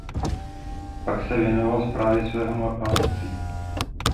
Pak se věnoval správě svého panství.